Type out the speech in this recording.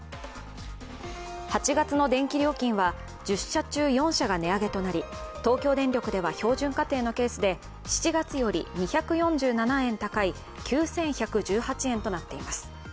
８月の電気料金は１０社中４社が値上げとなり東京電力では標準家庭のケースで７月より２４７円高い９１１８円となっています。